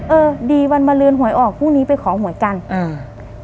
เออดีวันมาเลือนหวยออกพรุ่งนี้ไปขอหวยกันอ่า